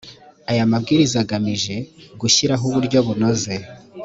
aya mabwiriza agamije gushyiraho uburyo bunoze